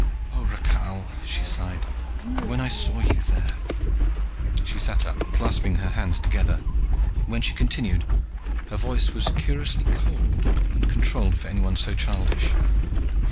"O, Rakhal," she sighed. "When I saw you there " She sat up, clasping her hands hard together, and when she continued her voice was curiously cold and controlled for anyone so childish.